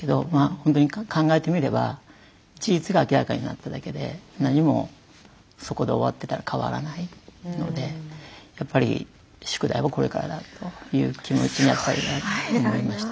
ほんとに考えてみれば事実が明らかになっただけで何もそこで終わってたら変わらないのでやっぱり宿題はこれからだという気持ちにやっぱり思いました。